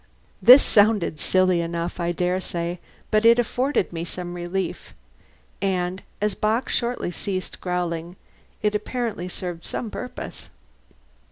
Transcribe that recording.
This sounds silly enough, I dare say, but it afforded me some relief. And as Bock shortly ceased growling, it apparently served some purpose.